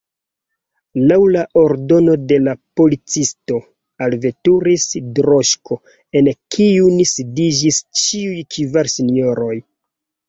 Laŭ la ordono de la policisto alveturis droŝko en kiun sidiĝis ĉiuj kvar sinjoroj.